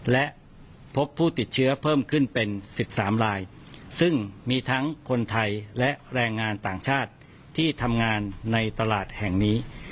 และพบผู้ติดเชื้อเพิ่มขึ้นเป็น๑๓ลายซึ่งมีทั้งคนไทยและแรงงานต่างชาติที่ทำงานในตลาดแห่งนี้